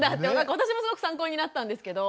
私もすごく参考になったんですけど。